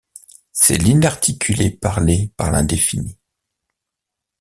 C’est l’inarticulé parlé par l’indéfini.